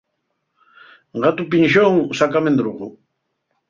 Gatu pinxón saca mendrugu.